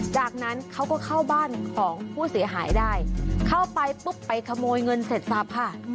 จากนั้นเขาก็เข้าบ้านของผู้เสียหายได้เข้าไปปุ๊บไปขโมยเงินเสร็จทรัพย์ค่ะ